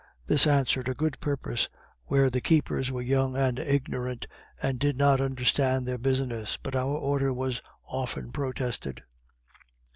This answered a good purpose where the keepers were young and ignorant, and did not understand their business; but our order was often protested.